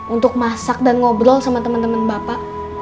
untuk masak dan ngobrol sama teman teman bapak